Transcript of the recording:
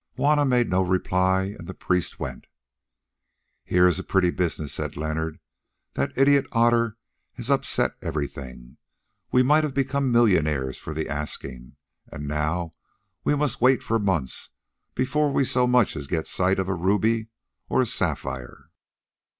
Juanna made no reply, and the priest went. "Here is a pretty business," said Leonard. "That idiot Otter has upset everything. We might have become millionaires for the asking, and now we must wait for months before we so much as get sight of a ruby or a sapphire."